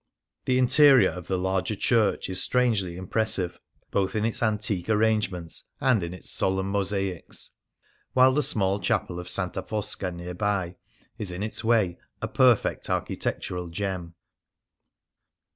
The interior of the larger church is strangely impressive, both in its antique ar rangements and in its " solemn mosaics "; while the small chapel of Santa Fosca near by is in its way a perfect architectural gem.